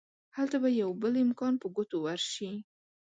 هلته به يو بل امکان په ګوتو ورشي.